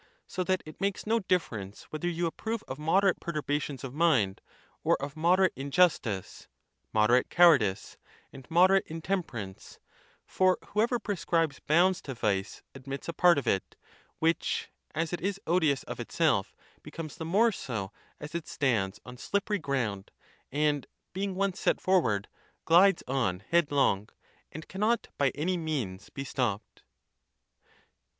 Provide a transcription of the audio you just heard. So that it makes no difference whether you approve of moderate perturba tions of mind, or of moderate injustice, moderate coward ice, and moderate intemperance; for whoever prescribes bounds to vice admits a part of it, which, as it is odious of itself, becomes the more so as it stands on slippery ground, and, being once set forward, glides on headlong, and cannot by any means be stopped.